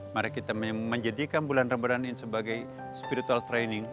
mari kita menjadikan bulan ramadhan ini sebagai spiritual training